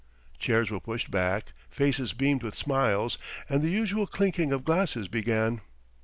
Chairs were pushed back, faces beamed with smiles, and the usual clinking of glasses began.